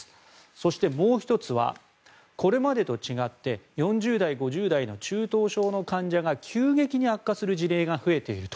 そして、もう１つはこれまでと違って４０代、５０代の中等症の患者が急激に悪化する事例が増えていると。